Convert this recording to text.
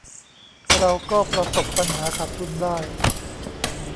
เราก็ประสบปัญหาขาดทุนได้